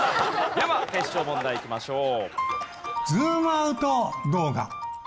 では決勝問題いきましょう。